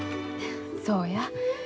そうや。